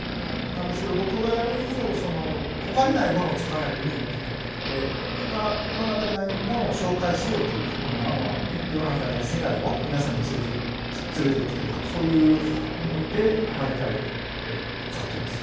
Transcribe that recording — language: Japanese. なんですけど僕がやる以上他にないものをつくらないと意味がないと思うので今世の中にないものを紹介しようという世の中にない世界を皆さんに連れていくというかそういう思いで毎回つくってます。